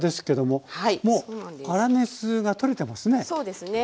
もう粗熱が取れてますね。